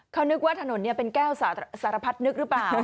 เขานึกว่าถนนเป็นแก้วสารพัดนึกหรือเปล่า